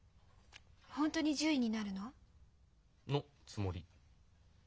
本当に獣医になるの？のつもり。